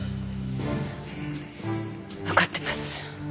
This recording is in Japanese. わかってます。